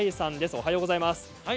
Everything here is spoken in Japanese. おはようございます。